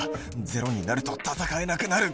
ゼロになると戦えなくなる。